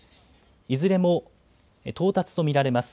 いずれも到達と見られます。